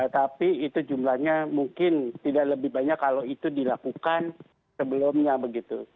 tapi itu jumlahnya mungkin tidak lebih banyak kalau itu dilakukan sebelumnya begitu